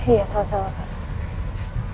iya salah salah pak